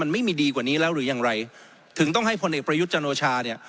ไม่มีดีกว่านี้แล้วหรือยังไรถึงต้องให้พลเอกประยุทธ์จันโอชาเนี่ย